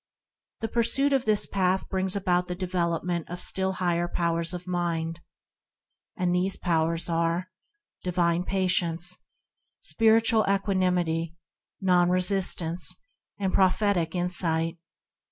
The pursuit of this Path brings about the development of still higher powers of mind, and these powers are divine patience, spir itual equanimity, non resistance, and pro phetic insight.